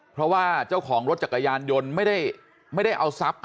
เพราะว่าเจ้าของรถจักรยานยนต์ไม่ได้เอาทรัพย์